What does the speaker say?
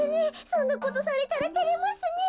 そんなことされたらてれますねえ。